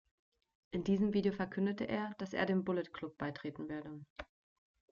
In diesem Video verkündete er, dass er dem "Bullet Club" beitreten werde.